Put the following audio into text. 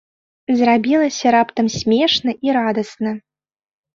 Зрабілася раптам смешна і радасна.